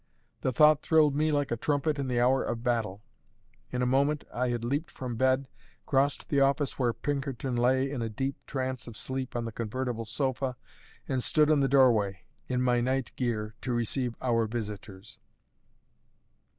The thought thrilled me like a trumpet in the hour of battle. In a moment, I had leaped from bed, crossed the office where Pinkerton lay in a deep trance of sleep on the convertible sofa, and stood in the doorway, in my night gear, to receive our visitors.